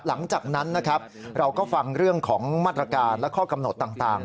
หลังจากนั้นนะครับเราก็ฟังเรื่องของมาตรการและข้อกำหนดต่าง